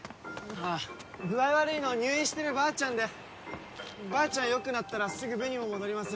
ああ具合悪いのは入院してるばあちゃんでばあちゃんよくなったらすぐ部にも戻ります